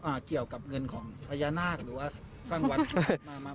เกี่ยวกับเงินของพญานาคหรือว่าสร้างวัดมามา